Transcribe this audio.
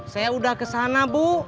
saya udah kesana bu